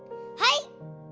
はい！